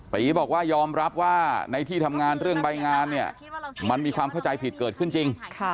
ตีบอกว่ายอมรับว่าในที่ทำงานเรื่องใบงานเนี่ยมันมีความเข้าใจผิดเกิดขึ้นจริง